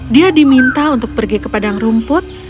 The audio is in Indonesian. dia diminta untuk pergi ke padang rumput